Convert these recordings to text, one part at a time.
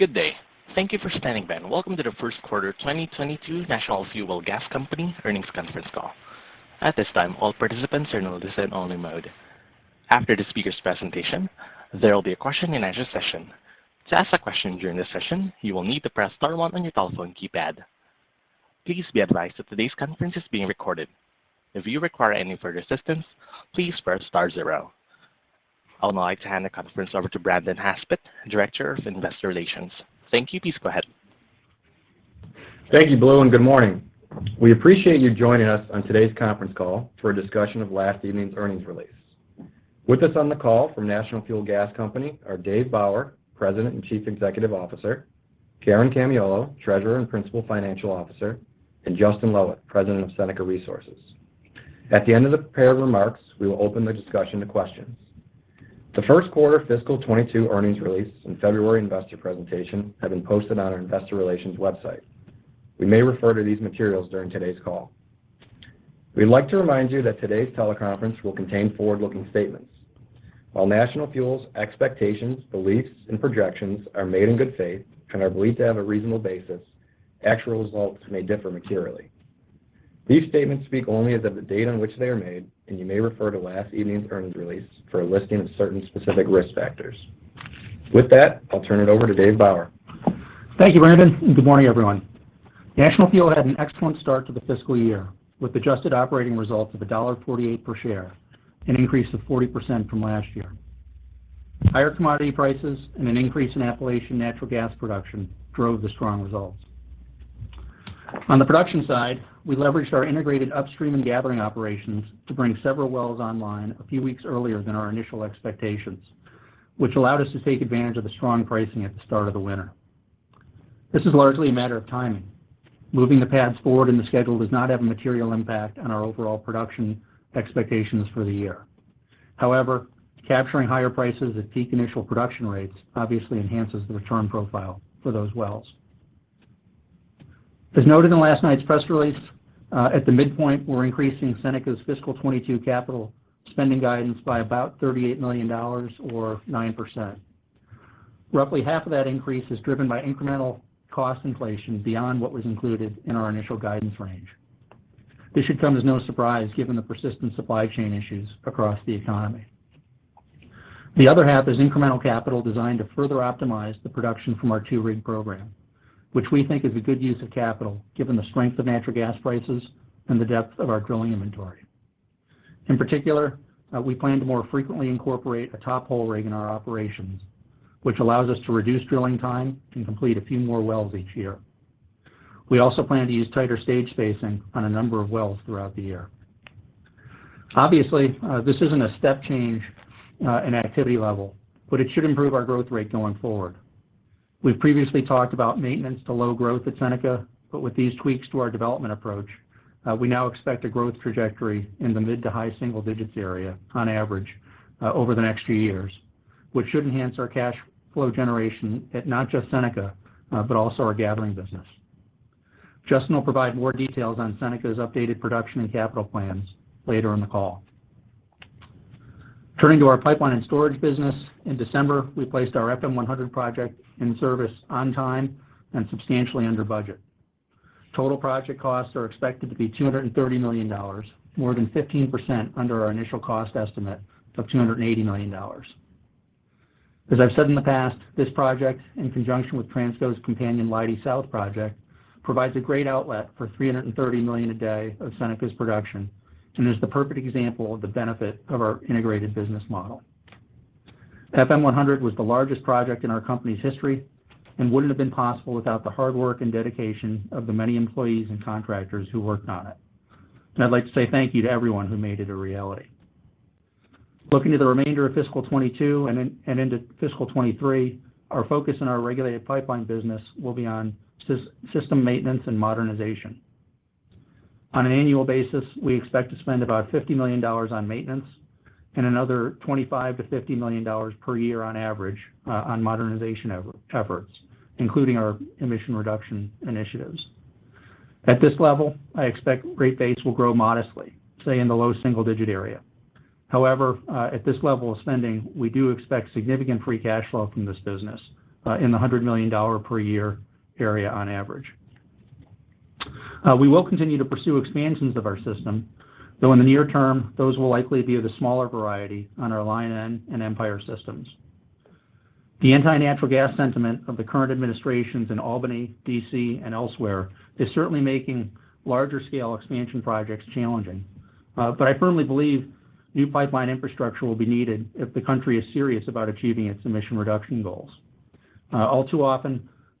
Good day. Thank you for standing by, and welcome to the first quarter 2022 National Fuel Gas Company earnings conference call. At this time, all participants are in listen-only mode. After the speaker's presentation, there will be a question and answer session. To ask a question during this session, you will need to press star one on your telephone keypad. Please be advised that today's conference is being recorded. If you require any further assistance, please press star zero. I would now like to hand the conference over to Brandon Haspett, Director of Investor Relations. Thank you. Please go ahead. Thank you, Lou, and good morning. We appreciate you joining us on today's conference call for a discussion of last evening's earnings release. With us on the call from National Fuel Gas Company are David P. Bauer, President and Chief Executive Officer, Karen M. Camiolo, Treasurer and Principal Financial Officer, and Justin Loweth, President of Seneca Resources. At the end of the prepared remarks, we will open the discussion to questions. The first quarter fiscal 2022 earnings release and February Investor presentation have been posted on our Investor Relations website. We may refer to these materials during today's call. We'd like to remind you that today's teleconference will contain forward-looking statements. While National Fuel's expectations, beliefs, and projections are made in good faith and are believed to have a reasonable basis, actual results may differ materially. These statements speak only as of the date on which they are made, and you may refer to last evening's earnings release for a listing of certain specific risk factors. With that, I'll turn it over to David P. Bauer. Thank you, Brandon. Good morning, everyone. National Fuel had an excellent start to the fiscal year with adjusted operating results of $1.48 per share, an increase of 40% from last year. Higher commodity prices and an increase in Appalachian natural gas production drove the strong results. On the production side, we leveraged our integrated upstream and gathering operations to bring several wells online a few weeks earlier than our initial expectations, which allowed us to take advantage of the strong pricing at the start of the winter. This is largely a matter of timing. Moving the pads forward in the schedule does not have a material impact on our overall production expectations for the year. However, capturing higher prices at peak initial production rates obviously enhances the return profile for those wells. As noted in last night's press release, at the midpoint, we're increasing Seneca's fiscal 2022 capital spending guidance by about $38 million or 9%. Roughly half of that increase is driven by incremental cost inflation beyond what was included in our initial guidance range. This should come as no surprise given the persistent supply chain issues across the economy. The other half is incremental capital designed to further optimize the production from our 2-rig program, which we think is a good use of capital given the strength of natural gas prices and the depth of our drilling inventory. In particular, we plan to more frequently incorporate a top hole rig in our operations, which allows us to reduce drilling time and complete a few more wells each year. We also plan to use tighter stage spacing on a number of wells throughout the year. Obviously, this isn't a step change in activity level, but it should improve our growth rate going forward. We've previously talked about maintenance to low growth at Seneca, but with these tweaks to our development approach, we now expect a growth trajectory in the mid- to high-single-digits area on average over the next few years, which should enhance our cash flow generation at not just Seneca, but also our gathering business. Justin will provide more details on Seneca's updated production and capital plans later in the call. Turning to our pipeline and storage business, in December, we placed our FM100 project in service on time and substantially under budget. Total project costs are expected to be $230 million, more than 15% under our initial cost estimate of $280 million. As I've said in the past, this project, in conjunction with Transco's companion Leidy South project, provides a great outlet for 330 million a day of Seneca's production and is the perfect example of the benefit of our integrated business model. FM100 was the largest project in our company's history and wouldn't have been possible without the hard work and dedication of the many employees and contractors who worked on it. I'd like to say thank you to everyone who made it a reality. Looking to the remainder of fiscal 2022 and into fiscal 2023, our focus on our regulated pipeline business will be on system maintenance and modernization. On an annual basis, we expect to spend about $50 million on maintenance and another $25 million-$50 million per year on average on modernization efforts, including our emission reduction initiatives. At this level, I expect rate base will grow modestly, say in the low single digit area. However, at this level of spending, we do expect significant free cash flow from this business, in the $100 million per year area on average. We will continue to pursue expansions of our system, though in the near term, those will likely be of the smaller variety on our Line N and Empire systems. The anti-natural gas sentiment of the current administrations in Albany, D.C., and elsewhere is certainly making larger scale expansion projects challenging. I firmly believe new pipeline infrastructure will be needed if the country is serious about achieving its emission reduction goals.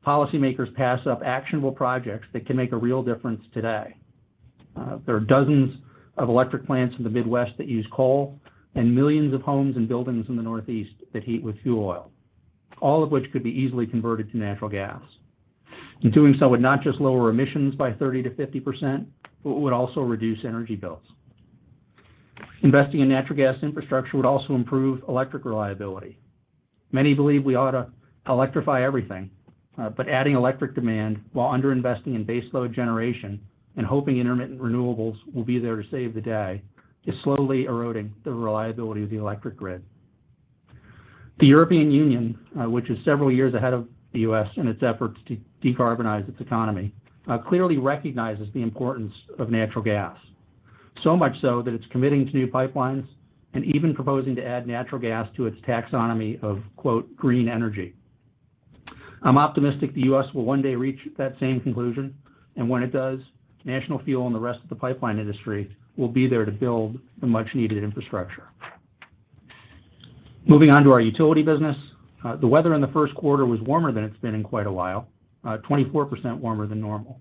All too often, policy makers pass up actionable projects that can make a real difference today. There are dozens of electric plants in the Midwest that use coal and millions of homes and buildings in the Northeast that heat with fuel oil, all of which could be easily converted to natural gas. Doing so would not just lower emissions by 30%-50%, but would also reduce energy bills. Investing in natural gas infrastructure would also improve electric reliability. Many believe we ought to electrify everything. Adding electric demand while underinvesting in baseload generation and hoping intermittent renewables will be there to save the day is slowly eroding the reliability of the electric grid. The European Union, which is several years ahead of the U.S. in its efforts to decarbonize its economy, clearly recognizes the importance of natural gas. Much so that it's committing to new pipelines and even proposing to add natural gas to its taxonomy of, quote, "green energy." I'm optimistic the U.S. will one day reach that same conclusion, and when it does, National Fuel and the rest of the pipeline industry will be there to build the much-needed infrastructure. Moving on to our utility business. The weather in the first quarter was warmer than it's been in quite a while, 24% warmer than normal.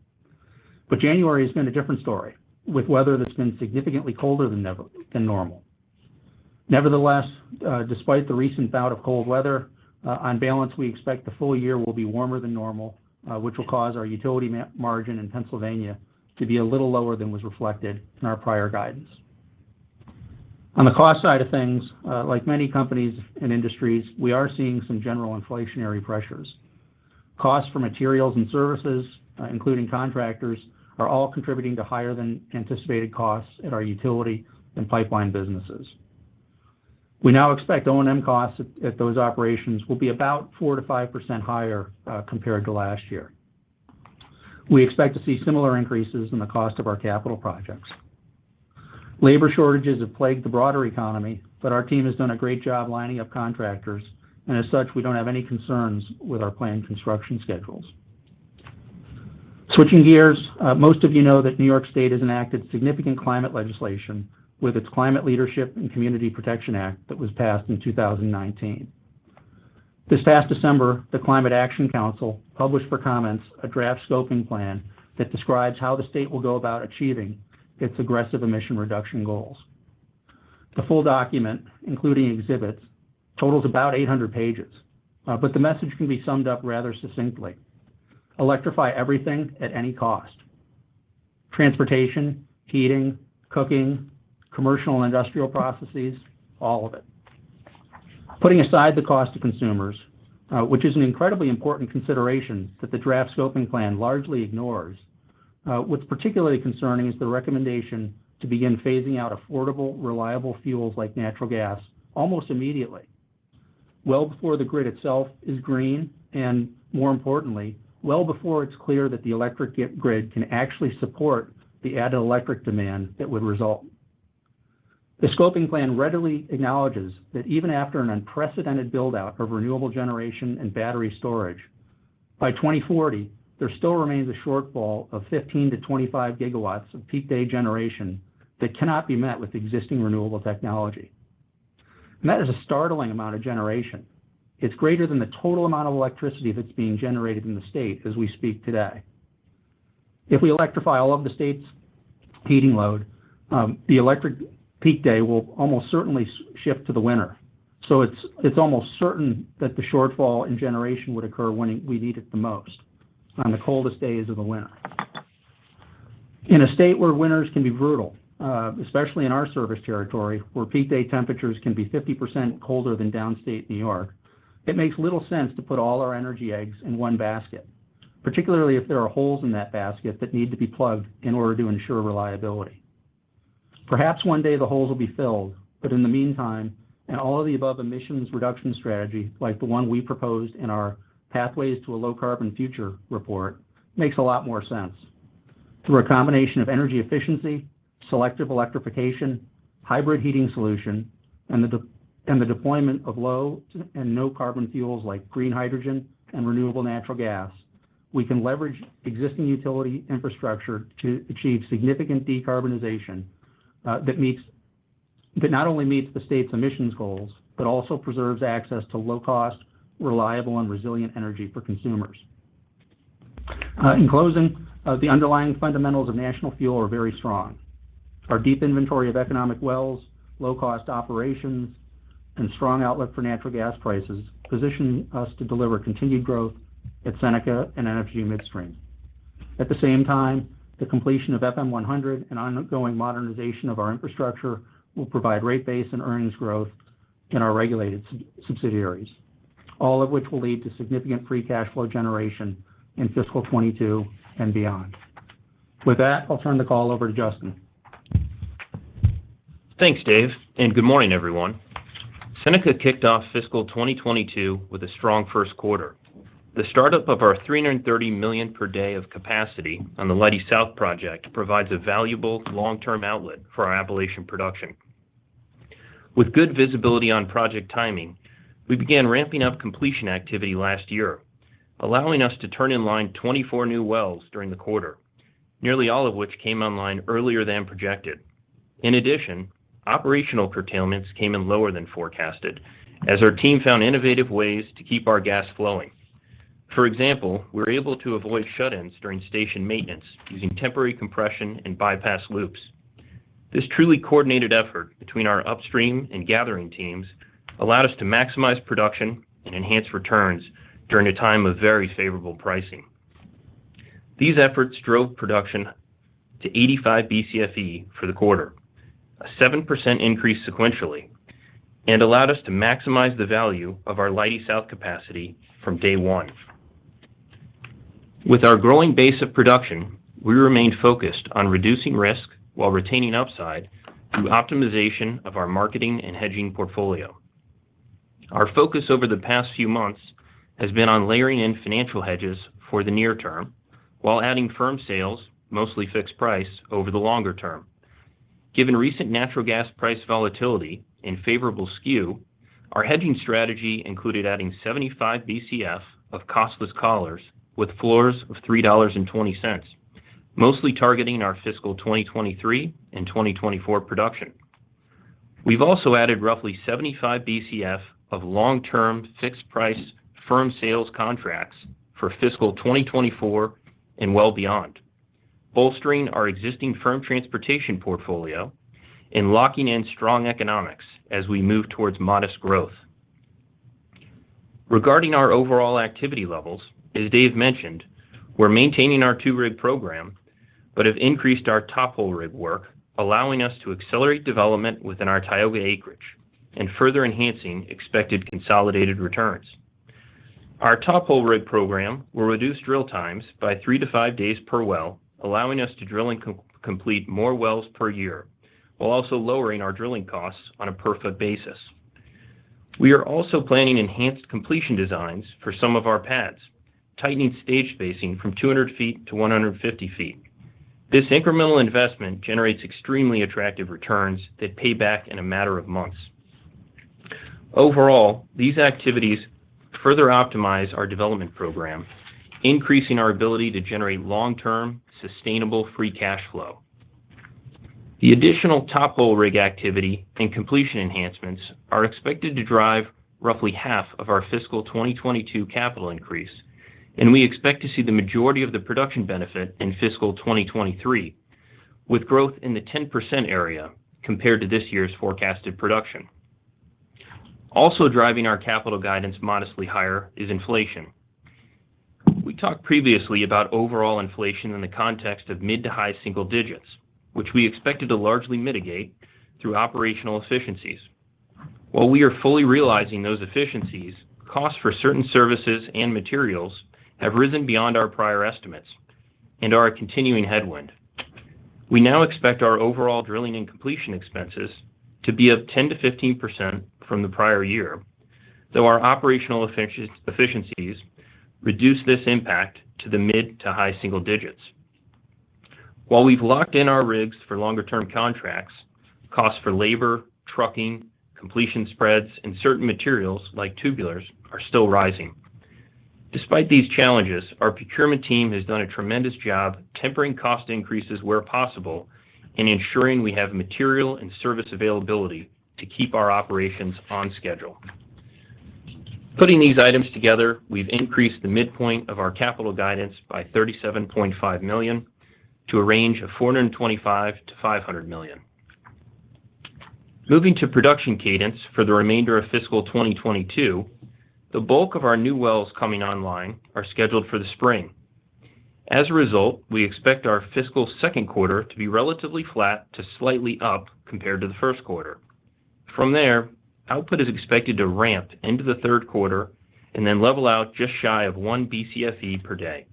January has been a different story, with weather that's been significantly colder than normal. Nevertheless, despite the recent bout of cold weather, on balance, we expect the full year will be warmer than normal, which will cause our utility margin in Pennsylvania to be a little lower than was reflected in our prior guidance. On the cost side of things, like many companies and industries, we are seeing some general inflationary pressures. Costs for materials and services, including contractors, are all contributing to higher than anticipated costs at our utility and pipeline businesses. We now expect O&M costs at those operations will be about 4%-5% higher compared to last year. We expect to see similar increases in the cost of our capital projects. Labor shortages have plagued the broader economy, but our team has done a great job lining up contractors, and as such, we don't have any concerns with our planned construction schedules. Switching gears, most of you know that New York State has enacted significant climate legislation with its Climate Leadership and Community Protection Act that was passed in 2019. This past December, the Climate Action Council published for comments a draft scoping plan that describes how the state will go about achieving its aggressive emission reduction goals. The full document, including exhibits, totals about 800 pages. The message can be summed up rather succinctly: electrify everything at any cost. Transportation, heating, cooking, commercial and industrial processes, all of it. Putting aside the cost to consumers, which is an incredibly important consideration that the draft scoping plan largely ignores, what's particularly concerning is the recommendation to begin phasing out affordable, reliable fuels like natural gas almost immediately. Well before the grid itself is green, and more importantly, well before it's clear that the electric grid can actually support the added electric demand that would result. The scoping plan readily acknowledges that even after an unprecedented build-out of renewable generation and battery storage, by 2040, there still remains a shortfall of 15-25 GW of peak day generation that cannot be met with existing renewable technology. That is a startling amount of generation. It's greater than the total amount of electricity that's being generated in the state as we speak today. If we electrify all of the state's heating load, the electric peak day will almost certainly shift to the winter. It's almost certain that the shortfall in generation would occur when we need it the most, on the coldest days of the winter. In a state where winters can be brutal, especially in our service territory, where peak day temperatures can be 50% colder than downstate New York, it makes little sense to put all our energy eggs in one basket, particularly if there are holes in that basket that need to be plugged in order to ensure reliability. Perhaps one day the holes will be filled, but in the meantime, an all-of-the-above emissions reduction strategy, like the one we proposed in our Pathways to a Low Carbon Future report, makes a lot more sense. Through a combination of energy efficiency, selective electrification, hybrid heating solution, and the deployment of low and no carbon fuels like green hydrogen and renewable natural gas, we can leverage existing utility infrastructure to achieve significant decarbonization that not only meets the state's emissions goals, but also preserves access to low cost, reliable, and resilient energy for consumers. In closing, the underlying fundamentals of National Fuel are very strong. Our deep inventory of economic wells, low cost operations, and strong outlook for natural gas prices position us to deliver continued growth at Seneca and Energy Midstream. At the same time, the completion of FM100 and ongoing modernization of our infrastructure will provide rate base and earnings growth in our regulated subsidiaries, all of which will lead to significant free cash flow generation in fiscal 2022 and beyond. With that, I'll turn the call over to Justin. Thanks, David, and good morning, everyone. Seneca kicked off fiscal 2022 with a strong first quarter. The startup of our 330 million per day of capacity on the Leidy South project provides a valuable long-term outlet for our Appalachian production. With good visibility on project timing, we began ramping up completion activity last year, allowing us to turn in line 24 new wells during the quarter, nearly all of which came online earlier than projected. In addition, operational curtailments came in lower than forecasted as our team found innovative ways to keep our gas flowing. For example, we were able to avoid shut-ins during station maintenance using temporary compression and bypass loops. This truly coordinated effort between our upstream and gathering teams allowed us to maximize production and enhance returns during a time of very favorable pricing. These efforts drove production to 85 Bcfe for the quarter, a 7% increase sequentially, and allowed us to maximize the value of our Leidy South capacity from day one. With our growing base of production, we remain focused on reducing risk while retaining upside through optimization of our marketing and hedging portfolio. Our focus over the past few months has been on layering in financial hedges for the near term while adding firm sales, mostly fixed price, over the longer term. Given recent natural gas price volatility and favorable skew, our hedging strategy included adding 75 Bcf of costless collars with floors of $3.20, mostly targeting our fiscal 2023 and 2024 production. We've also added roughly 75 Bcf of long-term fixed price firm sales contracts for fiscal 2024 and well beyond, bolstering our existing firm transportation portfolio and locking in strong economics as we move towards modest growth. Regarding our overall activity levels, as Dave mentioned, we're maintaining our 2-rig program, but have increased our tophole rig work, allowing us to accelerate development within our Tioga acreage and further enhancing expected consolidated returns. Our tophole rig program will reduce drill times by 3-5 days per well, allowing us to drill and complete more wells per year, while also lowering our drilling costs on a per foot basis. We are also planning enhanced completion designs for some of our pads, tightening stage spacing from 200 ft to 150 ft. This incremental investment generates extremely attractive returns that pay back in a matter of months. Overall, these activities further optimize our development program, increasing our ability to generate long-term, sustainable free cash flow. The additional tophole rig activity and completion enhancements are expected to drive roughly half of our fiscal 2022 capital increase, and we expect to see the majority of the production benefit in fiscal 2023, with growth in the 10% area compared to this year's forecasted production. Also driving our capital guidance modestly higher is inflation. We talked previously about overall inflation in the context of mid- to high-single digits, which we expected to largely mitigate through operational efficiencies. While we are fully realizing those efficiencies, costs for certain services and materials have risen beyond our prior estimates and are a continuing headwind. We now expect our overall drilling and completion expenses to be up 10%-15% from the prior year, though our operational efficiencies reduce this impact to the mid- to high-single digits. While we've locked in our rigs for longer term contracts, costs for labor, trucking, completion spreads, and certain materials like tubulars are still rising. Despite these challenges, our procurement team has done a tremendous job tempering cost increases where possible and ensuring we have material and service availability to keep our operations on schedule. Putting these items together, we've increased the midpoint of our capital guidance by $37.5 million to a range of $425 million-$500 million. Moving to production cadence for the remainder of fiscal 2022, the bulk of our new wells coming online are scheduled for the spring. As a result, we expect our fiscal second quarter to be relatively flat to slightly up compared to the first quarter. From there, output is expected to ramp into the third quarter and then level out just shy of 1 Bcfe per day.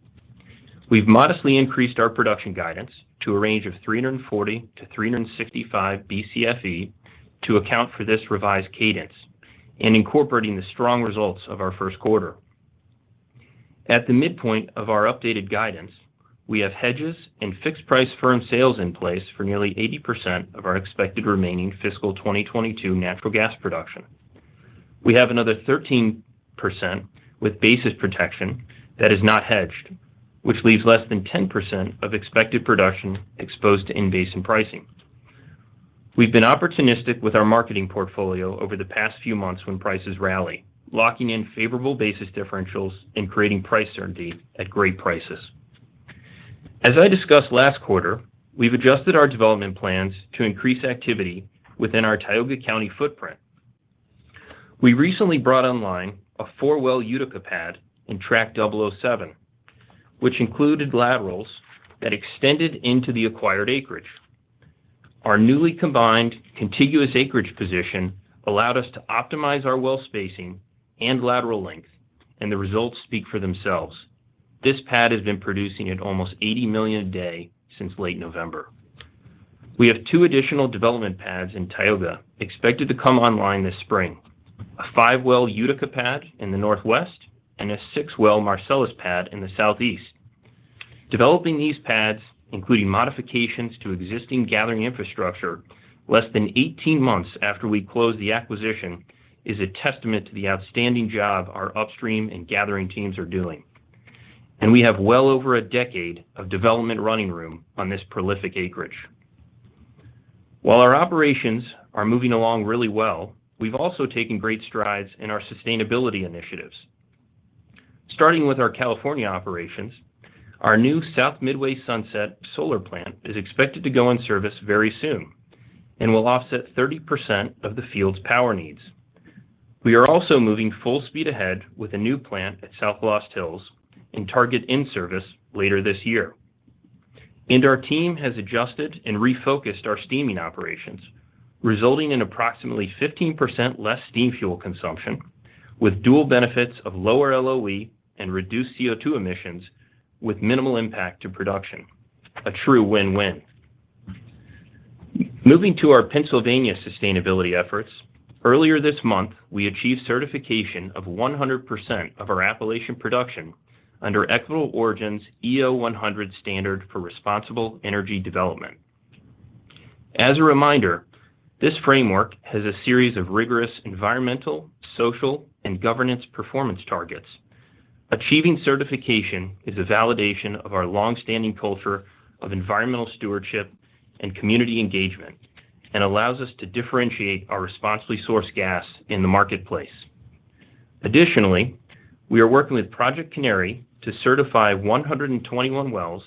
We've modestly increased our production guidance to a range of 340 Bcfe-365 Bcfe to account for this revised cadence and incorporating the strong results of our first quarter. At the midpoint of our updated guidance, we have hedges and fixed price firm sales in place for nearly 80% of our expected remaining fiscal 2022 natural gas production. We have another 13% with basis protection that is not hedged, which leaves less than 10% of expected production exposed to in-basin pricing. We've been opportunistic with our marketing portfolio over the past few months when prices rally, locking in favorable basis differentials and creating price certainty at great prices. As I discussed last quarter, we've adjusted our development plans to increase activity within our Tioga County footprint. We recently brought online a 4-well Utica pad in Tract 007, which included laterals that extended into the acquired acreage. Our newly combined contiguous acreage position allowed us to optimize our well spacing and lateral length, and the results speak for themselves. This pad has been producing at almost $80 million a day since late November. We have two additional development pads in Tioga expected to come online this spring, a 5-well Utica pad in the northwest and a 6-well Marcellus pad in the southeast. Developing these pads, including modifications to existing gathering infrastructure less than 18 months after we closed the acquisition, is a testament to the outstanding job our upstream and gathering teams are doing. We have well over a decade of development running room on this prolific acreage. While our operations are moving along really well, we've also taken great strides in our sustainability initiatives. Starting with our California operations, our new South Midway Sunset Solar Plant is expected to go in service very soon and will offset 30% of the field's power needs. We are also moving full speed ahead with a new plant at South Lost Hills and targeting in-service later this year. Our team has adjusted and refocused our steaming operations, resulting in approximately 15% less steam fuel consumption with dual benefits of lower LOE and reduced CO₂ emissions with minimal impact to production. A true win-win. Moving to our Pennsylvania sustainability efforts, earlier this month, we achieved certification of 100% of our Appalachian production under Equitable Origin's EO100 Standard for Responsible Energy Development. As a reminder, this framework has a series of rigorous environmental, social, and governance performance targets. Achieving certification is a validation of our long-standing culture of environmental stewardship and community engagement and allows us to differentiate our responsibly sourced gas in the marketplace. Additionally, we are working with Project Canary to certify 121 wells,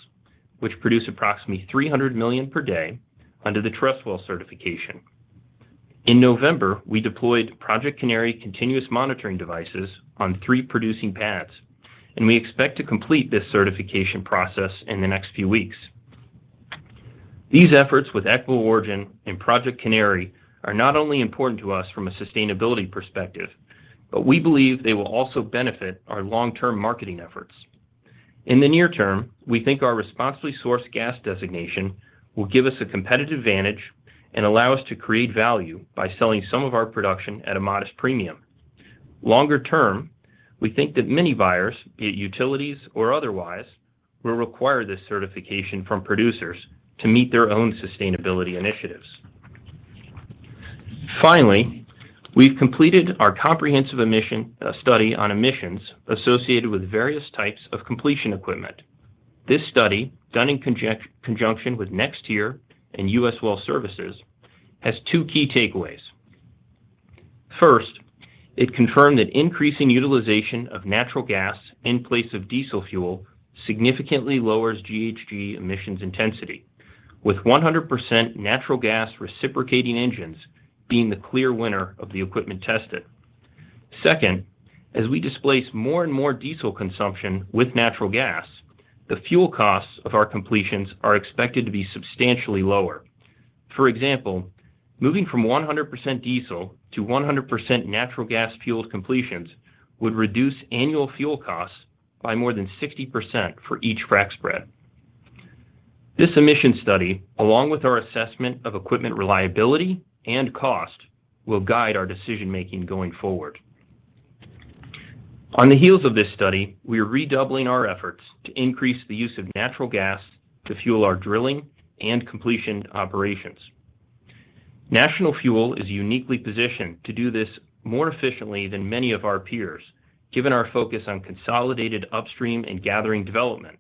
which produce approximately $300 million per day under the TrustWell certification. In November, we deployed Project Canary continuous monitoring devices on three producing pads, and we expect to complete this certification process in the next few weeks. These efforts with Equitable Origin and Project Canary are not only important to us from a sustainability perspective, but we believe they will also benefit our long-term marketing efforts. In the near term, we think our responsibly sourced gas designation will give us a competitive advantage and allow us to create value by selling some of our production at a modest premium. Longer term, we think that many buyers, be it utilities or otherwise, will require this certification from producers to meet their own sustainability initiatives. Finally, we've completed our comprehensive emissions study on emissions associated with various types of completion equipment. This study, done in conjunction with NexTier and U.S. Well Services, has two key takeaways. First, it confirmed that increasing utilization of natural gas in place of diesel fuel significantly lowers GHG emissions intensity, with 100% natural gas reciprocating engines being the clear winner of the equipment tested. Second, as we displace more and more diesel consumption with natural gas, the fuel costs of our completions are expected to be substantially lower. For example, moving from 100% diesel to 100% natural gas-fueled completions would reduce annual fuel costs by more than 60% for each frack spread. This emission study, along with our assessment of equipment reliability and cost, will guide our decision-making going forward. On the heels of this study, we are redoubling our efforts to increase the use of natural gas to fuel our drilling and completion operations. National Fuel is uniquely positioned to do this more efficiently than many of our peers, given our focus on consolidated upstream and gathering development.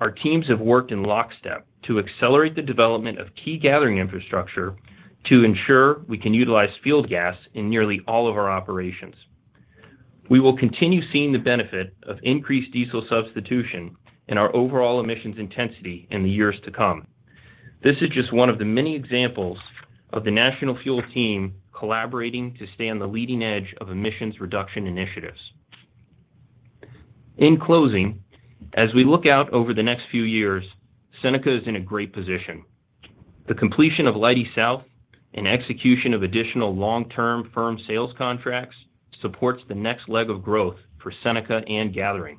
Our teams have worked in lockstep to accelerate the development of key gathering infrastructure to ensure we can utilize field gas in nearly all of our operations. We will continue seeing the benefit of increased diesel substitution in our overall emissions intensity in the years to come. This is just one of the many examples of the National Fuel team collaborating to stay on the leading edge of emissions reduction initiatives. In closing, as we look out over the next few years, Seneca is in a great position. The completion of Leidy South and execution of additional long-term firm sales contracts supports the next leg of growth for Seneca and Gathering.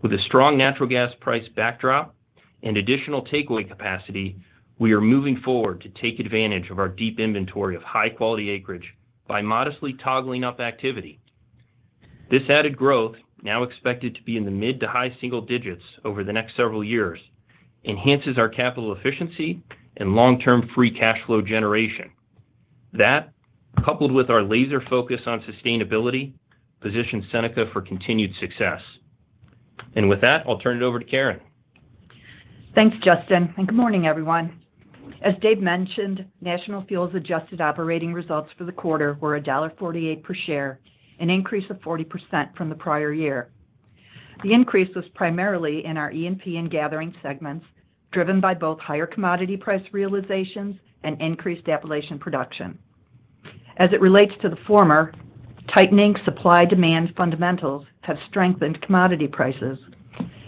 With a strong natural gas price backdrop and additional takeaway capacity, we are moving forward to take advantage of our deep inventory of high-quality acreage by modestly toggling up activity. This added growth, now expected to be in the mid to high single digits over the next several years, enhances our capital efficiency and long-term free cash flow generation. That, coupled with our laser focus on sustainability, positions Seneca for continued success. With that, I'll turn it over to Karen. Thanks, Justin, and good morning, everyone. As Dave mentioned, National Fuel's adjusted operating results for the quarter were $1.48 per share, an increase of 40% from the prior year. The increase was primarily in our E&P and Gathering segments, driven by both higher commodity price realizations and increased Appalachian production. As it relates to the former, tightening supply-demand fundamentals have strengthened commodity prices.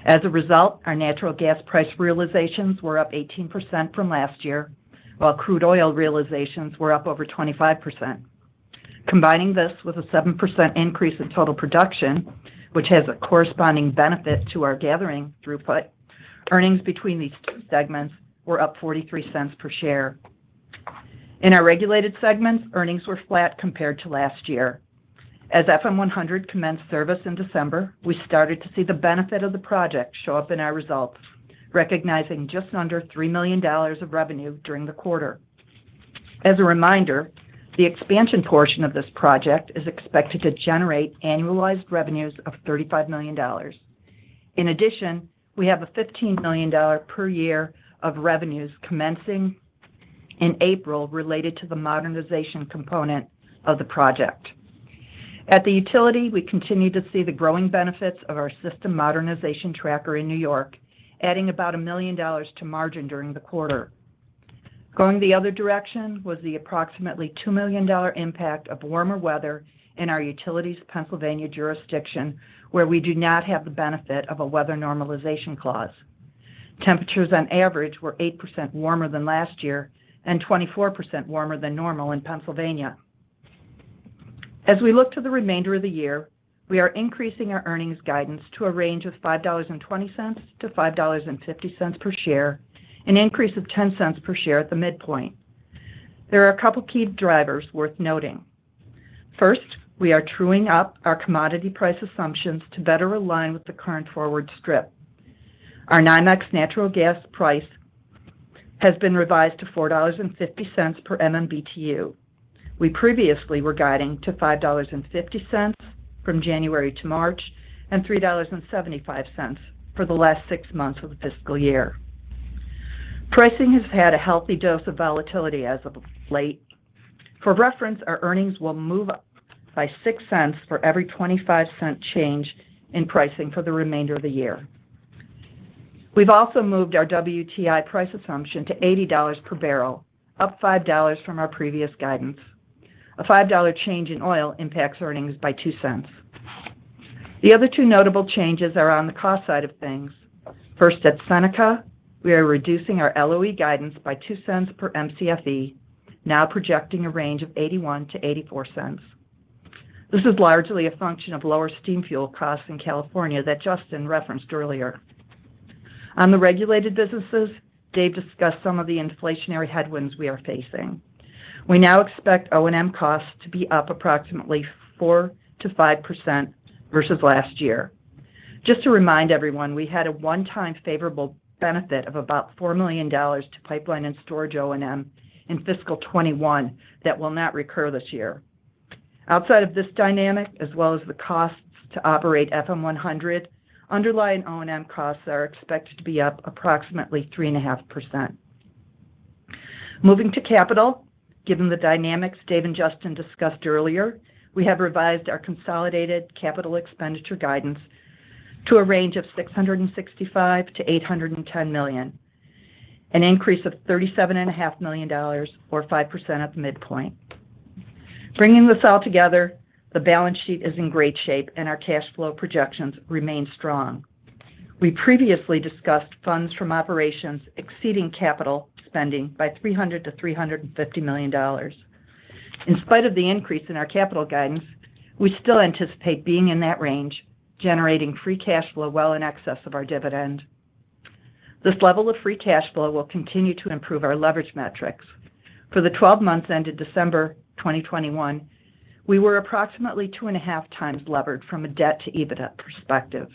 As a result, our natural gas price realizations were up 18% from last year, while crude oil realizations were up over 25%. Combining this with a 7% increase in total production, which has a corresponding benefit to our Gathering throughput, earnings between these two segments were up $0.43 per share. In our Regulated segments, earnings were flat compared to last year. As FM100 commenced service in December, we started to see the benefit of the project show up in our results, recognizing just under $3 million of revenue during the quarter. As a reminder, the expansion portion of this project is expected to generate annualized revenues of $35 million. In addition, we have a $15 million per year of revenues commencing in April related to the modernization component of the project. At the Utility, we continue to see the growing benefits of our system modernization tracker in New York, adding about $1 million to margin during the quarter. Going the other direction was the approximately $2 million impact of warmer weather in our utility's Pennsylvania jurisdiction, where we do not have the benefit of a weather normalization clause. Temperatures on average were 8% warmer than last year and 24% warmer than normal in Pennsylvania. As we look to the remainder of the year, we are increasing our earnings guidance to a range of $5.20-$5.50 per share, an increase of 10 cents per share at the midpoint. There are a couple key drivers worth noting. First, we are truing up our commodity price assumptions to better align with the current forward strip. Our NYMEX natural gas price has been revised to $4.50 per MMBTU. We previously were guiding to $5.50 from January to March and $3.75 for the last six months of the fiscal year. Pricing has had a healthy dose of volatility as of late. For reference, our earnings will move up by 6 cents for every 25-cent change in pricing for the remainder of the year. We've also moved our WTI price assumption to $80 per barrel, up $5 from our previous guidance. A $5 change in oil impacts earnings by $0.02. The other two notable changes are on the cost side of things. First, at Seneca, we are reducing our LOE guidance by $0.02 per MCFE, now projecting a range of $0.81-$0.84. This is largely a function of lower steam fuel costs in California that Justin referenced earlier. On the regulated businesses, Dave discussed some of the inflationary headwinds we are facing. We now expect O&M costs to be up approximately 4%-5% versus last year. Just to remind everyone, we had a one-time favorable benefit of about $4 million to pipeline and storage O&M in FY 2021 that will not recur this year. Outside of this dynamic, as well as the costs to operate FM100, underlying O&M costs are expected to be up approximately 3.5%. Moving to capital, given the dynamics Dave and Justin discussed earlier, we have revised our consolidated capital expenditure guidance to a range of $665 million-$810 million, an increase of $37.5 million or 5% at the midpoint. Bringing this all together, the balance sheet is in great shape and our cash flow projections remain strong. We previously discussed funds from operations exceeding capital spending by $300 million-$350 million. In spite of the increase in our capital guidance, we still anticipate being in that range, generating free cash flow well in excess of our dividend. This level of free cash flow will continue to improve our leverage metrics. For the 12 months ended December 2021, we were approximately 2.5x levered from a debt to EBITDA perspective.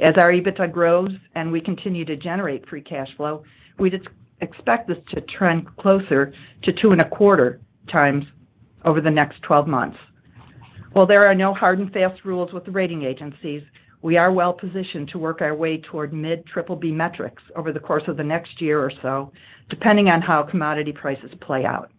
As our EBITDA grows and we continue to generate free cash flow, we expect this to trend closer to 2.25x over the next 12 months. While there are no hard and fast rules with the rating agencies, we are well positioned to work our way toward mid triple B metrics over the course of the next year or so, depending on how commodity prices play out.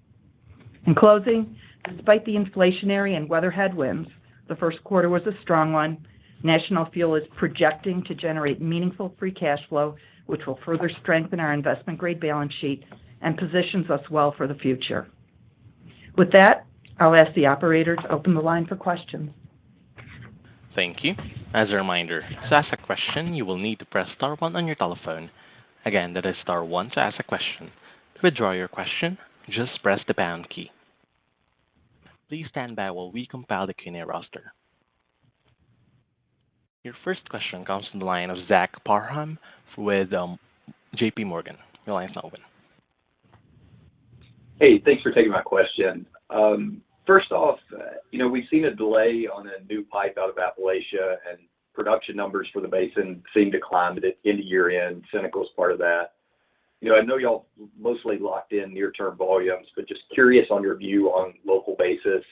In closing, despite the inflationary and weather headwinds, the first quarter was a strong one. National Fuel is projecting to generate meaningful free cash flow, which will further strengthen our investment grade balance sheet and positions us well for the future. With that, I'll ask the operator to open the line for questions. Thank you. As a reminder, to ask a question, you will need to press star one on your telephone. Again, that is star one to ask a question. To withdraw your question, just press the pound key. Please stand by while we compile the Q&A roster. Your first question comes from the line of Zach Parham with JPMorgan. Your line is now open. Hey, thanks for taking my question. First off, you know, we've seen a delay on a new pipe out of Appalachia, and production numbers for the basin seem to climb into year-end. Seneca is part of that. You know, I know y'all mostly locked in near-term volumes, but just curious on your view on local basis.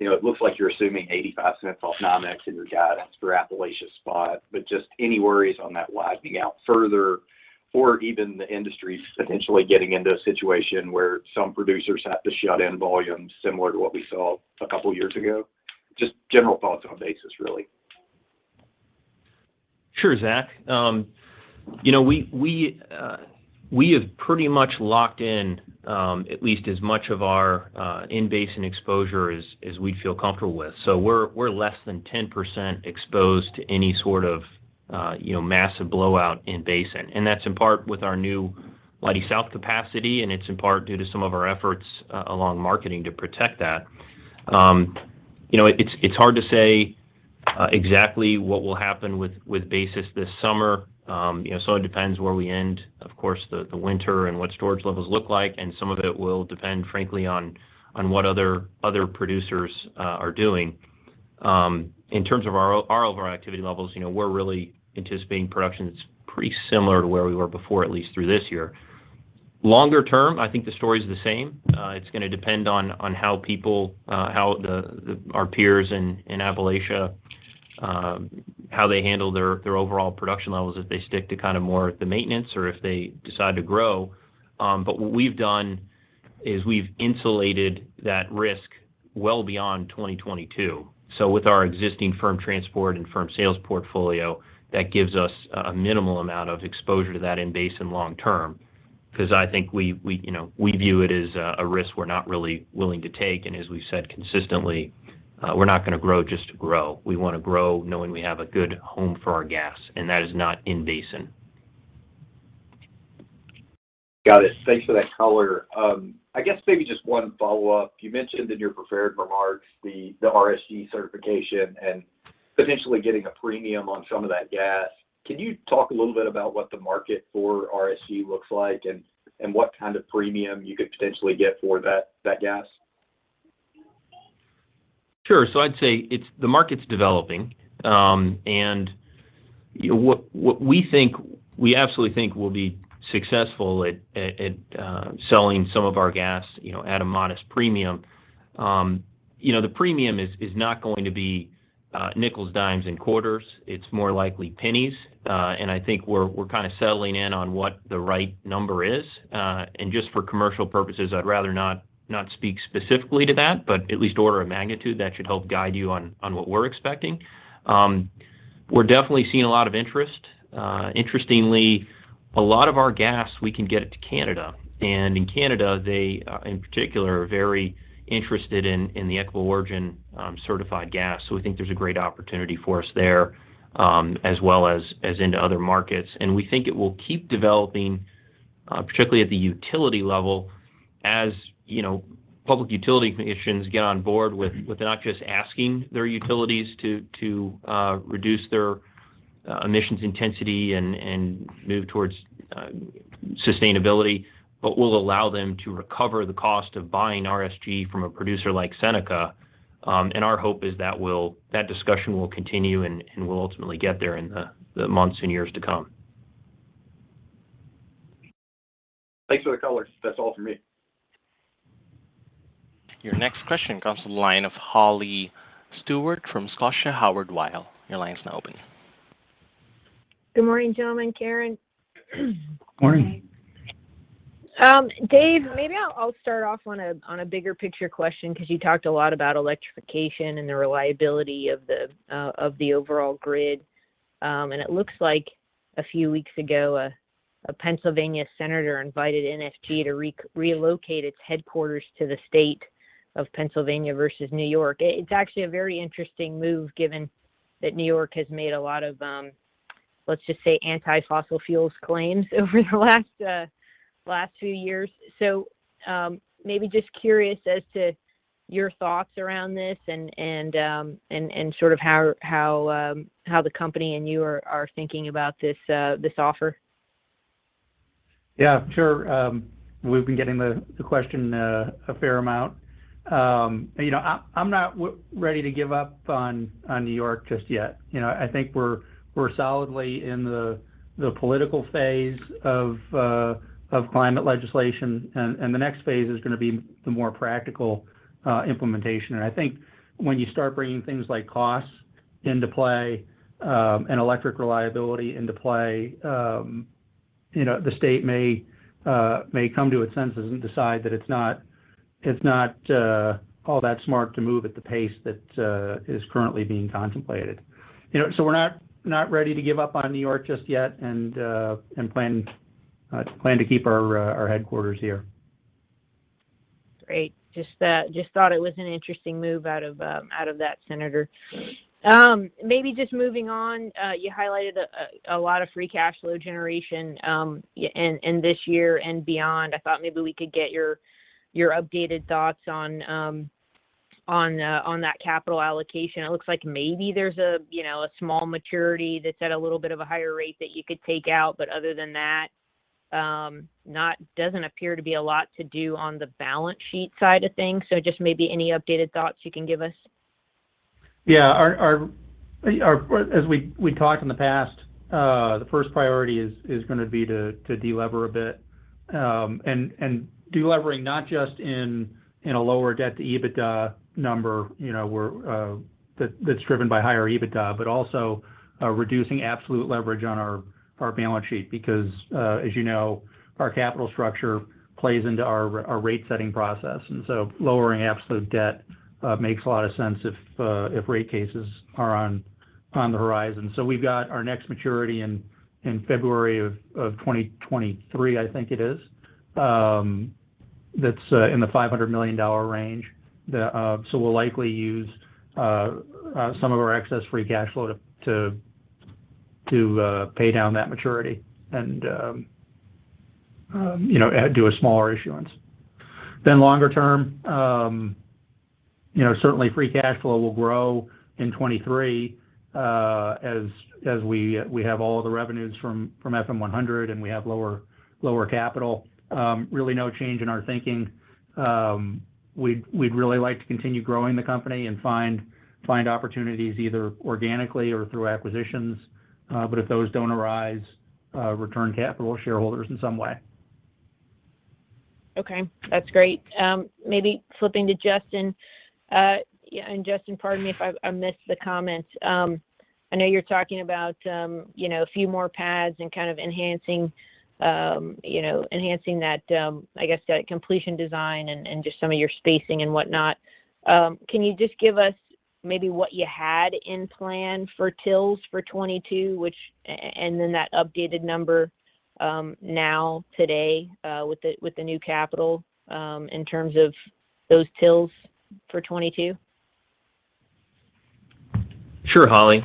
You know, it looks like you're assuming $0.85 off NYMEX in your guidance for Appalachia spot, but just any worries on that lagging out further or even the industry potentially getting into a situation where some producers have to shut in volumes similar to what we saw a couple years ago? Just general thoughts on basis, really. Sure, Zach. You know, we have pretty much locked in at least as much of our in-basin exposure as we feel comfortable with. We're less than 10% exposed to any sort of you know, massive blowout in-basin. That's in part with our new Leidy South capacity, and it's in part due to some of our efforts along marketing to protect that. You know, it's hard to say exactly what will happen with basis this summer. You know, it depends where we end, of course, the winter and what storage levels look like, and some of it will depend, frankly, on what other producers are doing. In terms of our overall activity levels, you know, we're really anticipating production that's pretty similar to where we were before, at least through this year. Longer term, I think the story's the same. It's gonna depend on how our peers in Appalachia handle their overall production levels, if they stick to kind of more the maintenance or if they decide to grow. What we've done As we've insulated that risk well beyond 2022. With our existing firm transport and firm sales portfolio, that gives us a minimal amount of exposure to that in basin long term. Because I think we, you know, we view it as a risk we're not really willing to take. As we said consistently, we're not gonna grow just to grow. We wanna grow knowing we have a good home for our gas, and that is not in basin. Got it. Thanks for that color. I guess maybe just one follow-up. You mentioned in your prepared remarks the RSG certification and potentially getting a premium on some of that gas. Can you talk a little bit about what the market for RSG looks like and what kind of premium you could potentially get for that gas? Sure. I'd say it's the market's developing, and we absolutely think we'll be successful at selling some of our gas, you know, at a modest premium. You know, the premium is not going to be nickels, dimes, and quarters. It's more likely pennies. I think we're kinda settling in on what the right number is. Just for commercial purposes, I'd rather not speak specifically to that, but at least order of magnitude that should help guide you on what we're expecting. We're definitely seeing a lot of interest. Interestingly, a lot of our gas, we can get it to Canada. In Canada, they in particular are very interested in the Equitable Origin certified gas. We think there's a great opportunity for us there, as well as into other markets. We think it will keep developing, particularly at the utility level as public utility commissions get on board with not just asking their utilities to reduce their emissions intensity and move towards sustainability, but will allow them to recover the cost of buying RSG from a producer like Seneca. Our hope is that discussion will continue and we'll ultimately get there in the months and years to come. Thanks for the color. That's all for me. Your next question comes from the line of Holly Stewart from Scotia Howard Weil. Your line is now open. Good morning, gentlemen, Karen. Morning. Dave, maybe I'll start off on a bigger picture question 'cause you talked a lot about electrification and the reliability of the overall grid. It looks like a few weeks ago, a Pennsylvania senator invited NFG to relocate its headquarters to the state of Pennsylvania versus New York. It's actually a very interesting move given that New York has made a lot of, let's just say, anti-fossil fuels claims over the last few years. Maybe just curious as to your thoughts around this and sort of how the company and you are thinking about this offer. Yeah, sure. We've been getting the question a fair amount. You know, I'm not ready to give up on New York just yet. You know, I think we're solidly in the political phase of climate legislation. The next phase is gonna be the more practical implementation. I think when you start bringing things like costs into play and electric reliability into play, you know, the state may come to its senses and decide that it's not all that smart to move at the pace that is currently being contemplated. You know, we're not ready to give up on New York just yet, and plan to keep our headquarters here. Great. Just thought it was an interesting move out of that senator. Maybe just moving on. You highlighted a lot of free cash flow generation in this year and beyond. I thought maybe we could get your updated thoughts on that capital allocation. It looks like maybe there's a, you know, a small maturity that's at a little bit of a higher rate that you could take out. But other than that, doesn't appear to be a lot to do on the balance sheet side of things. So just maybe any updated thoughts you can give us. Yeah. Our as we talked in the past, the first priority is gonna be to delever a bit. And delevering not just in a lower debt to EBITDA number, you know, that's driven by higher EBITDA, but also reducing absolute leverage on our balance sheet. Because as you know, our capital structure plays into our rate setting process. Lowering absolute debt makes a lot of sense if rate cases are on the horizon. We've got our next maturity in February of 2023, I think it is. That's in the $500 million range. We'll likely use some of our excess free cash flow to pay down that maturity and, you know, do a smaller issuance. Longer term, certainly free cash flow will grow in 2023, as we have all the revenues from FM100, and we have lower capital. Really no change in our thinking. We'd really like to continue growing the company and find opportunities either organically or through acquisitions. If those don't arise, return capital shareholders in some way. Okay. That's great. Maybe flipping to Justin. Yeah, Justin, pardon me if I missed the comment. I know you're talking about, you know, a few more pads and kind of enhancing, you know, enhancing that, I guess that completion design and just some of your spacing and whatnot. Can you just give us maybe what you had planned for wells for 2022, and then that updated number, now today, with the new capital, in terms of those wells for 2022? Sure, Holly.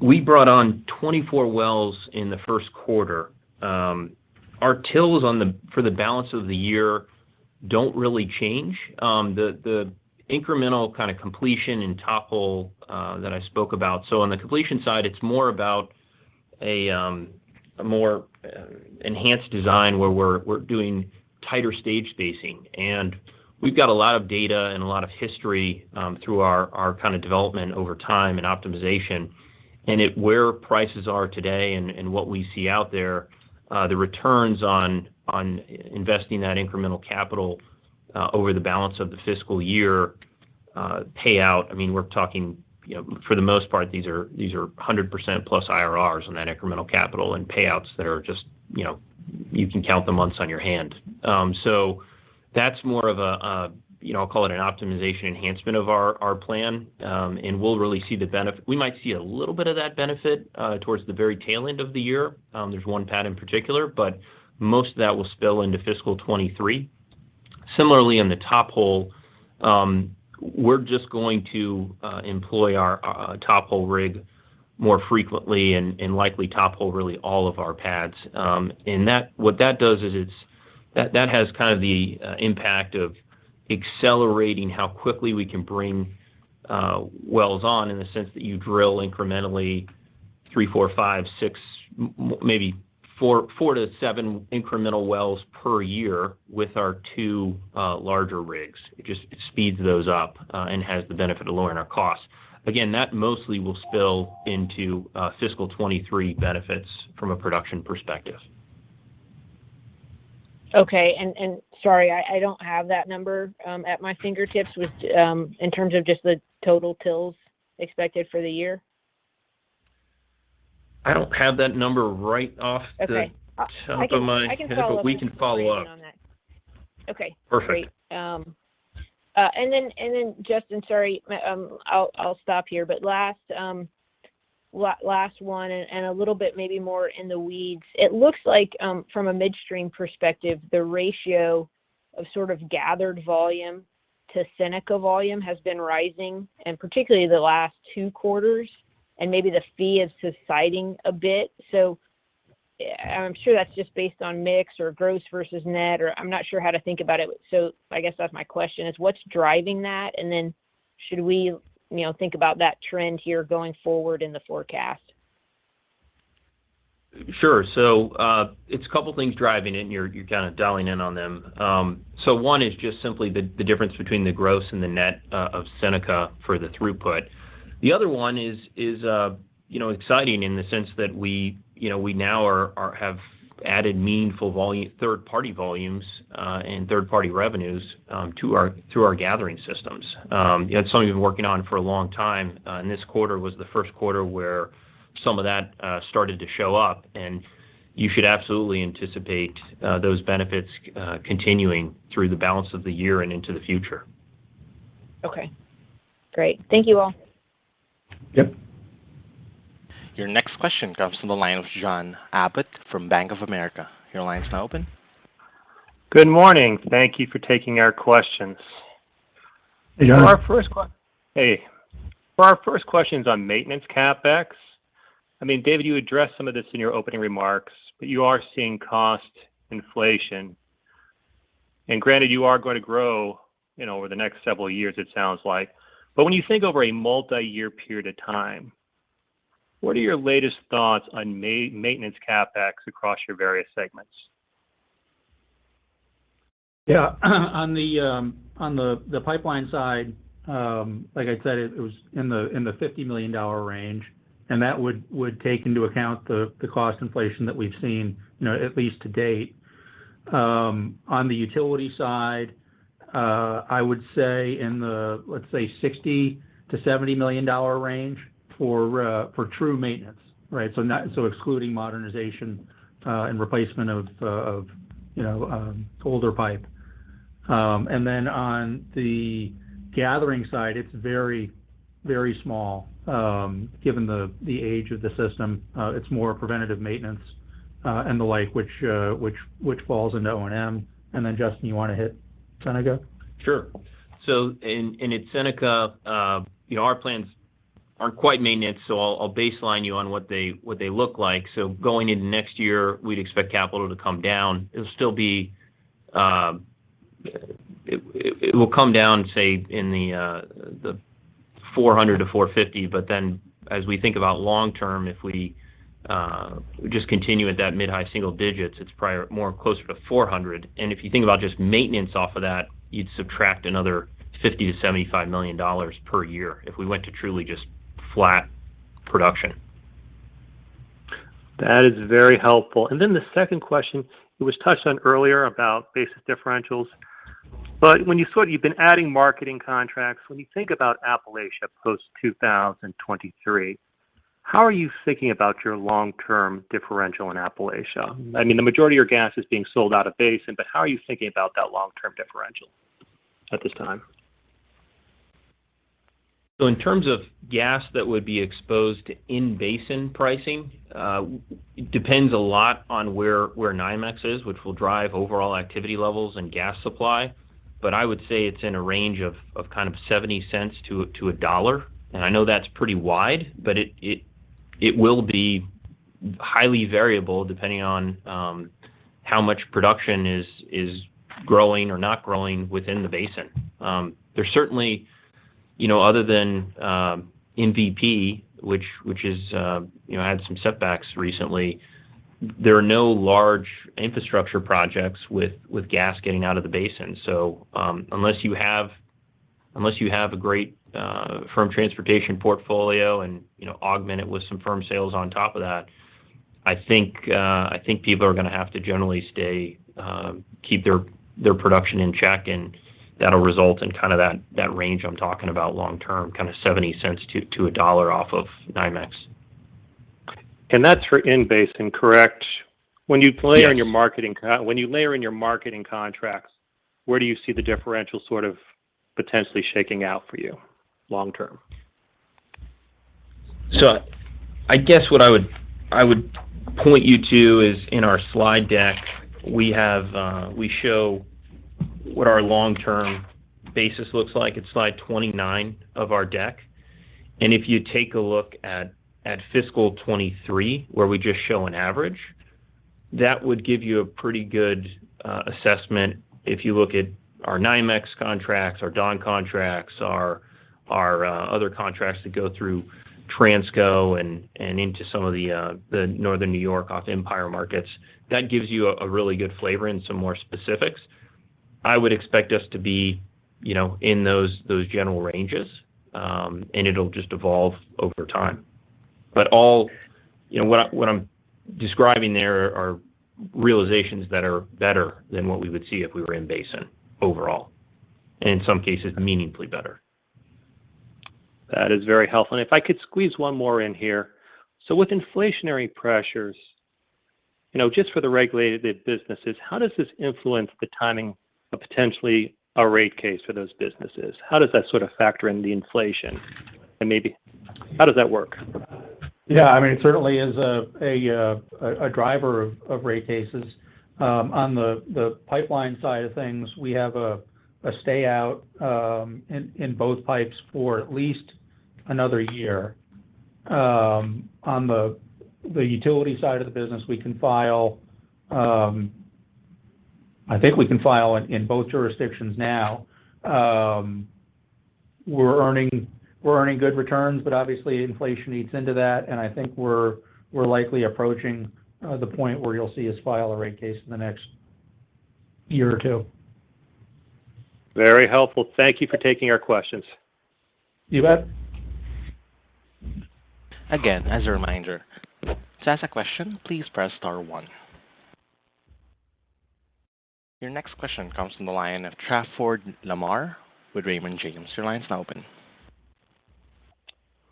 We brought on 24 wells in the first quarter. Our drills for the balance of the year don't really change. The incremental kind of completion and top hole that I spoke about. On the completion side, it's more about a more enhanced design where we're doing tighter stage spacing. We've got a lot of data and a lot of history through our kind of development over time and optimization. At where prices are today and what we see out there, the returns on investing that incremental capital over the balance of the fiscal year pay out. I mean, we're talking, you know, for the most part, these are 100%+ IRRs on that incremental capital and payouts that are just, you know, you can count the months on your hand. So that's more of a, you know, call it an optimization enhancement of our plan. We might see a little bit of that benefit towards the very tail end of the year. There's one pad in particular, but most of that will spill into fiscal 2023. Similarly, in the top hole, we're just going to employ our top hole rig more frequently and likely top hole really all of our pads. What that does is that has kind of the impact of accelerating how quickly we can bring wells on in the sense that you drill incrementally three, four, five, six, maybe four to seven ncremental wells per year with our two larger rigs. It just speeds those up and has the benefit of lowering our costs. Again, that mostly will spill into fiscal 2023 benefits from a production perspective. Okay. Sorry, I don't have that number at my fingertips in terms of just the total wells expected for the year. I don't have that number right off. Okay. The top of my head- I can follow up. We can follow up. on that. Okay. Perfect. Great. And then Justin, sorry, I'll stop here. Last one and a little bit maybe more in the weeds. It looks like from a midstream perspective, the ratio of sort of gathered volume to Seneca volume has been rising, and particularly the last two quarters, and maybe the fee is subsiding a bit. I'm sure that's just based on mix or gross versus net, or I'm not sure how to think about it. I guess that's my question is, what's driving that? And then should we, you know, think about that trend here going forward in the forecast? Sure. It's a couple things driving it, and you're kinda dialing in on them. One is just simply the difference between the gross and the net of Seneca for the throughput. The other one is you know, exciting in the sense that we you know, we now have added meaningful volume, third party volumes and third party revenues through our gathering systems. You know, that's something we've been working on for a long time. This quarter was the first quarter where some of that started to show up, and you should absolutely anticipate those benefits continuing through the balance of the year and into the future. Okay. Great. Thank you all. Yep. Your next question comes from the line of John Abbott from Bank of America. Your line's now open. Good morning. Thank you for taking our questions. Yeah. For our first question is on maintenance CapEx. I mean, David, you addressed some of this in your opening remarks, but you are seeing cost inflation. Granted, you are gonna grow, you know, over the next several years, it sounds like. When you think over a multi-year period of time, what are your latest thoughts on maintenance CapEx across your various segments? Yeah. On the pipeline side, like I said, it was in the $50 million range, and that would take into account the cost inflation that we've seen, you know, at least to date. On the utility side, I would say, let's say $60 million-$70 million range for true maintenance, right? Excluding modernization and replacement of you know, older pipe. On the gathering side, it's very, very small, given the age of the system. It's more preventative maintenance and the like, which falls into O&M. Justin, you wanna hit Seneca? Sure. In at Seneca, you know, our plans aren't quite maintenance, so I'll baseline you on what they look like. Going into next year, we'd expect capital to come down. It'll still be. It will come down, say, in the $400 million-$450 million, but then as we think about long term, if we just continue at that mid high single digits, it's probably closer to $400 million. If you think about just maintenance off of that, you'd subtract another $50 million-$75 million per year if we went to truly just flat production. That is very helpful. The second question, it was touched on earlier about basis differentials, but you've been adding marketing contracts. When you think about Appalachia post-2023, how are you thinking about your long-term differential in Appalachia? I mean, the majority of your gas is being sold out of basin, but how are you thinking about that long-term differential at this time? In terms of gas that would be exposed in basin pricing, it depends a lot on where NYMEX is, which will drive overall activity levels and gas supply. I would say it's in a range of kind of $0.70-$1. I know that's pretty wide, but it will be highly variable depending on how much production is growing or not growing within the basin. There's certainly, you know, other than MVP, which has had some setbacks recently. There are no large infrastructure projects with gas getting out of the basin. Unless you have a great firm transportation portfolio and, you know, augment it with some firm sales on top of that, I think people are gonna have to generally stay, keep their production in check, and that'll result in kind of that range I'm talking about long term, kind of $0.70-$1 off of NYMEX. That's for in basin, correct? Yes. When you layer in your marketing contracts, where do you see the differential sort of potentially shaking out for you long term? I guess what I would point you to is in our slide deck, we have, we show what our long-term basis looks like. It's slide 29 of our deck. If you take a look at fiscal 2023, where we just show an average, that would give you a pretty good assessment. If you look at our NYMEX contracts, our Dawn contracts, our other contracts that go through Transco and into some of the the northern New York off Empire markets, that gives you a really good flavor and some more specifics. I would expect us to be, you know, in those general ranges, and it'll just evolve over time. You know, what I'm describing there are realizations that are better than what we would see if we were in basin overall, and in some cases meaningfully better. That is very helpful. If I could squeeze one more in here. With inflationary pressures, you know, just for the regulated businesses, how does this influence the timing of potentially a rate case for those businesses? How does that sort of factor in the inflation and maybe how does that work? Yeah, I mean, it certainly is a driver of rate cases. On the pipeline side of things, we have a stay out in both pipes for at least another year. On the utility side of the business, we can file. I think we can file in both jurisdictions now. We're earning good returns, but obviously inflation eats into that, and I think we're likely approaching the point where you'll see us file a rate case in the next year or two. Very helpful. Thank you for taking our questions. You bet. Again, as a reminder, to ask a question, please press star one. Your next question comes from the line of Trafford Lamar with Raymond James. Your line's now open.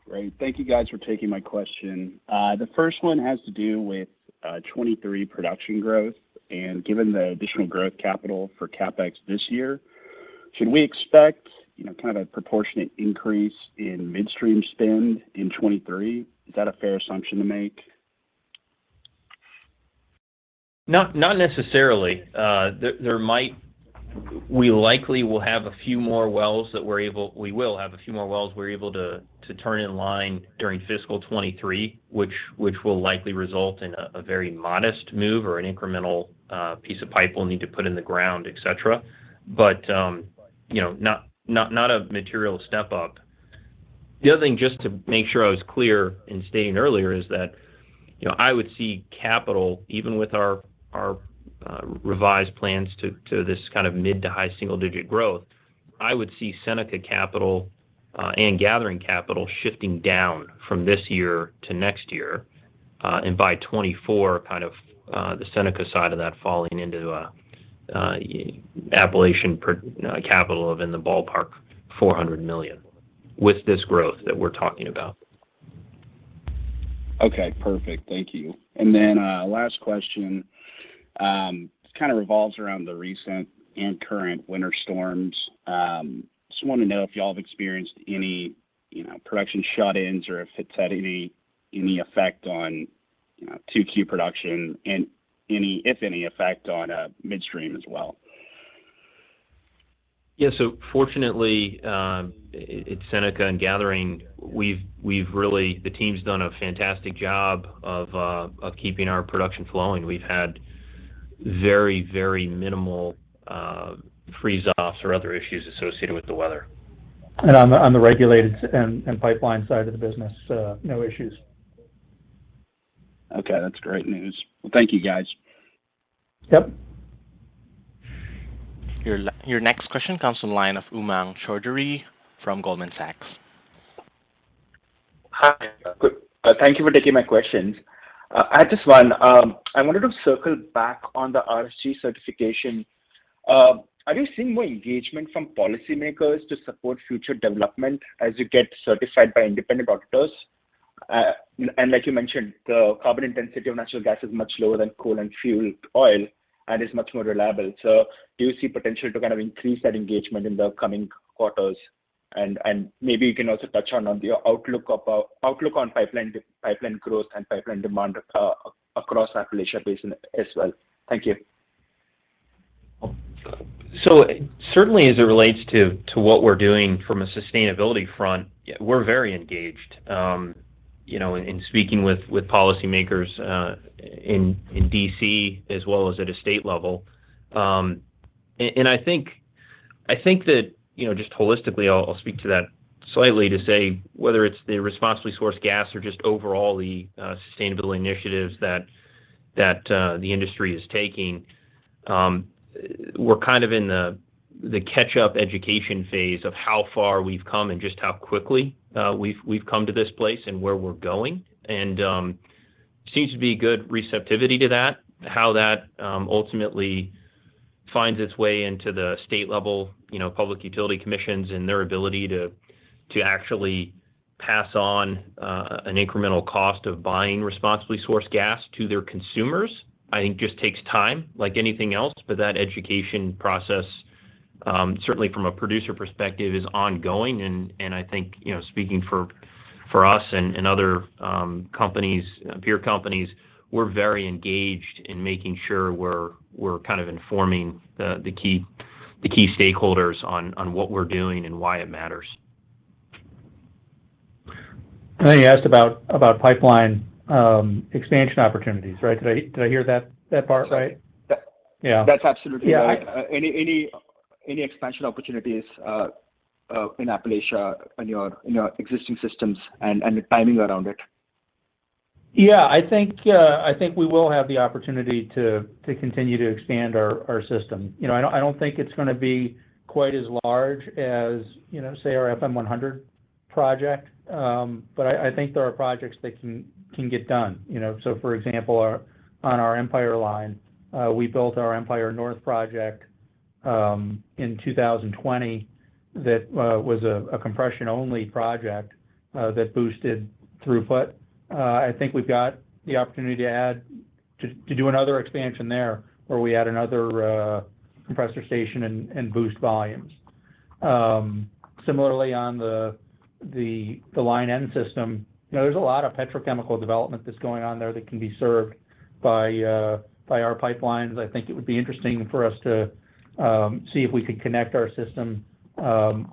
Great. Thank you guys for taking my question. The first one has to do with, 2023 production growth and given the additional growth capital for CapEx this year. Should we expect, you know, kind of a proportionate increase in midstream spend in 2023? Is that a fair assumption to make? Not necessarily. We likely will have a few more wells that we're able to turn in line during fiscal 2023, which will likely result in a very modest move or an incremental piece of pipe we'll need to put in the ground, et cetera. You know, not a material step up. The other thing, just to make sure I was clear in stating earlier, is that you know, I would see capital, even with our revised plans to this kind of mid- to high-single-digit growth. I would see Seneca Capital and Gathering capital shifting down from this year to next year. by 2024, kind of, the Seneca side of that falling into an Appalachian E&P CapEx in the ballpark of $400 million with this growth that we're talking about. Okay, perfect. Thank you. Last question kind of revolves around the recent and current winter storms. Just want to know if y'all have experienced any, you know, production shut-ins or if it's had any effect on, you know, 2Q production and any, if any, effect on midstream as well. Yeah. Fortunately, at Seneca and Gathering, the team's done a fantastic job of keeping our production flowing. We've had very, very minimal freeze offs or other issues associated with the weather. On the regulated and pipeline side of the business, no issues. Okay. That's great news. Well, thank you, guys. Yep. Your next question comes from the line of Umang Choudhary from Goldman Sachs. Hi. Good. Thank you for taking my questions. I had this one. I wanted to circle back on the RSG certification. Are you seeing more engagement from policymakers to support future development as you get certified by independent auditors? And like you mentioned, the carbon intensity of natural gas is much lower than coal and fuel oil, and is much more reliable. Do you see potential to kind of increase that engagement in the coming quarters? Maybe you can also touch on the outlook on pipeline growth and pipeline demand across Appalachian Basin as well. Thank you. Certainly as it relates to what we're doing from a sustainability front, yeah, we're very engaged, you know, in speaking with policymakers in D.C. as well as at a state level. I think that, you know, just holistically I'll speak to that slightly to say whether it's the responsibly sourced gas or just overall the sustainability initiatives that the industry is taking. We're kind of in the catch-up education phase of how far we've come and just how quickly we've come to this place and where we're going. Seems to be good receptivity to that. How that ultimately finds its way into the state level, you know, public utility commissions and their ability to actually pass on an incremental cost of buying responsibly sourced gas to their consumers, I think just takes time, like anything else. That education process certainly from a producer perspective is ongoing. I think, you know, speaking for us and other companies, peer companies, we're very engaged in making sure we're kind of informing the key stakeholders on what we're doing and why it matters. I think you asked about pipeline expansion opportunities, right? Did I hear that part right? Sorry. Yeah. That's absolutely right. Yeah. Any expansion opportunities in Appalachia on your existing systems and the timing around it? Yeah. I think we will have the opportunity to continue to expand our system. You know, I don't think it's gonna be quite as large as, you know, say our FM100 project. But I think there are projects that can get done. You know? For example, our Empire line, we built our Empire North project in 2020 that was a compression-only project that boosted throughput. I think we've got the opportunity to do another expansion there, where we add another compressor station and boost volumes. Similarly on the Line N system, you know, there's a lot of petrochemical development that's going on there that can be served by our pipelines. I think it would be interesting for us to see if we could connect our system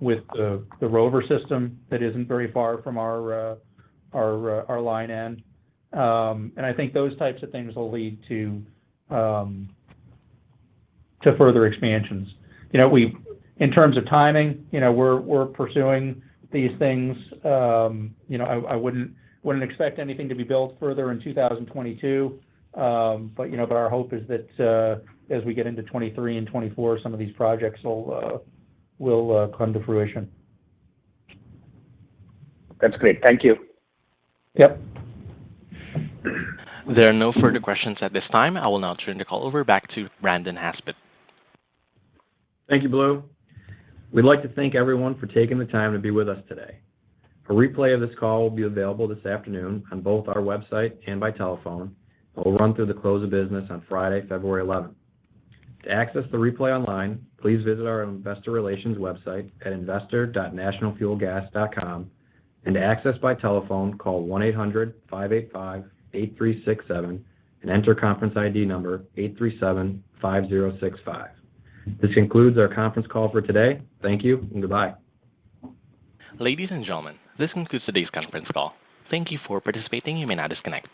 with the Rover system that isn't very far from our line end. I think those types of things will lead to further expansions. You know, in terms of timing, you know, we're pursuing these things. You know, I wouldn't expect anything to be built further in 2022. Our hope is that as we get into 2023 and 2024, some of these projects will come to fruition. That's great. Thank you. Yep. There are no further questions at this time. I will now turn the call over back to Brandon Haspett. Thank you, Lou. We'd like to thank everyone for taking the time to be with us today. A replay of this call will be available this afternoon on both our website and by telephone. It will run through the close of business on Friday, February 11th. To access the replay online, please visit our investor relations website at investor.nationalfuelgas.com. To access by telephone, call 1-800-585-8367 and enter conference ID number 8375065. This concludes our conference call for today. Thank you and goodbye. Ladies and gentlemen, this concludes today's conference call. Thank you for participating. You may now disconnect.